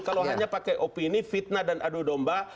kalau hanya pakai opini fitnah dan adu domba